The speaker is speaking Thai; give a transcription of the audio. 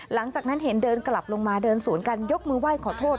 หลังจากนั้นเห็นเดินกลับลงมาเดินสวนกันยกมือไหว้ขอโทษ